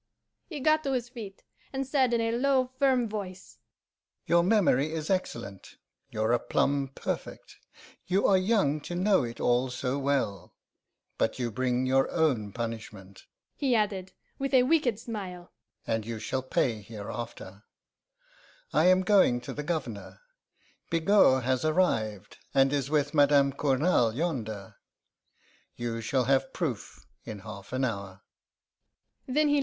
"He got to his feet, and said in a low, firm voice: 'Your memory is excellent, your aplomb perfect. You are young to know it all so well. But you bring your own punishment,' he added, with a wicked smile, 'and you shall pay hereafter. I am going to the Governor. Bigot has arrived, and is with Madame Cournal yonder. You shall have proof in half an hour.